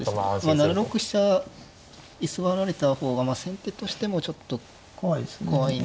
７六飛車居座られた方が先手としてもちょっと怖いんですけれど。